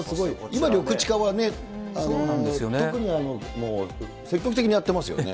今、緑地化は特に積極的にやってますよね。